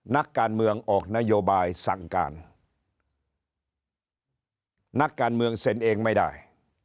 นักการเมืองออกนโยบายสั่งการนักการเมืองเซ็นเองไม่ได้